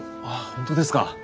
本当ですか。